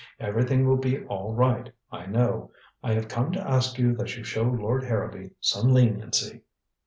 Everything will be all right, I know. I have come to ask that you show Lord Harrowby some leniency."